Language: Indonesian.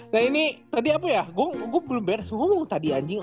nah ini tadi apa ya gue belum beres hubung tadi anjing